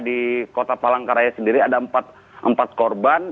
di kota palangkaraya sendiri ada empat korban